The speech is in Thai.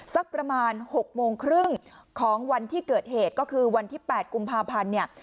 สักประมาณ๖โมงครึ่งของวันที่เกิดเหตุก็คือวันที่๘กุมภาพันธ์เนี่ย